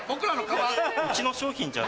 うちの商品じゃ。